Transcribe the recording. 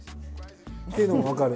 っていうのも分かる。